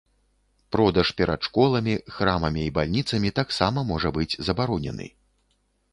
Продаж перад школамі, храмамі і бальніцамі таксама можа быць забаронены.